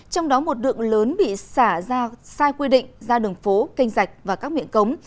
trong đó một đựng lớn bị xả ra sai quy định ra đường phố kênh rạch và các miệng cống